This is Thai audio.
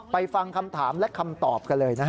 ฟังคำถามและคำตอบกันเลยนะฮะ